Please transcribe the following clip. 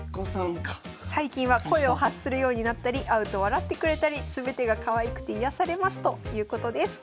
最近は声を発するようになったり会うと笑ってくれたり全てがかわいくて癒やされますということです。